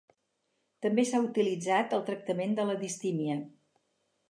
També s"ha utilitzat al tractament de la distímia,